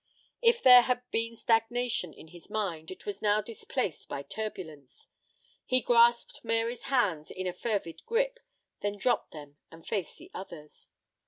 If there had been stagnation in his mind, it was now displaced by turbulence. He grasped Mary's hands in a fervid grip; then dropped them and faced the others.